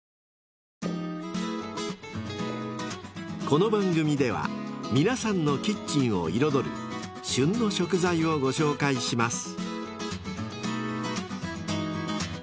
［この番組では皆さんのキッチンを彩る「旬の食材」をご紹介します］